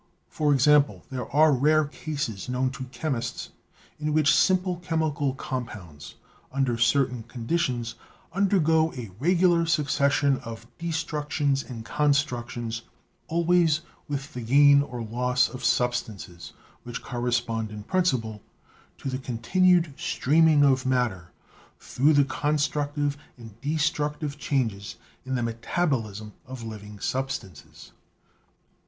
For example, there are rare cases known to chemists in which simple chemical compounds under certain conditions undergo a regular succession of destructions and constructions, always with the gain or loss of substances which correspond in prin ciple to the continued streaming of matter through the constructive and destructive changes in the metabolism of living substances.